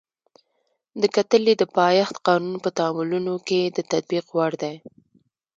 د کتلې د پایښت قانون په تعاملونو کې د تطبیق وړ دی.